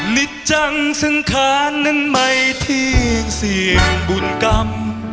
ฤทธจังสังขารนั้นไม่ทิ้งสิ่งบุญกรรม